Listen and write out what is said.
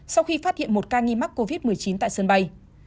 sau khi phát hiện một ca nghi mắc covid một mươi chín tại sân bay